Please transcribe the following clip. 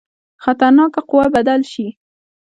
خطرناکه قوه بدل شي.